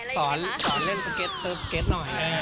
สอนเล่นสเก็ตึ๊บเก็ตหน่อย